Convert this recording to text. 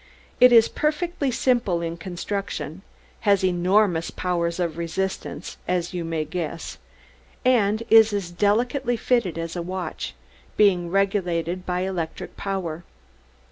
"It is perfectly simple in construction, has enormous powers of resistance, as you may guess, and is as delicately fitted as a watch, being regulated by electric power.